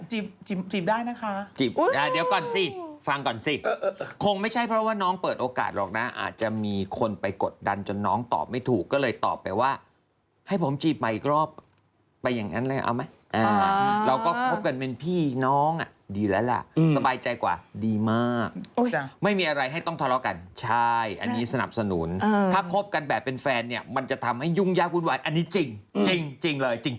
จีบจีบจีบจีบจีบจีบจีบจีบจีบจีบจีบจีบจีบจีบจีบจีบจีบจีบจีบจีบจีบจีบจีบจีบจีบจีบจีบจีบจีบจีบจีบจีบจีบจีบจีบจีบจีบจีบจีบจีบจีบจีบจีบจีบจีบจีบจีบจีบจีบจีบจีบจีบจีบจีบจีบจีบ